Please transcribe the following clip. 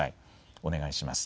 お願いします。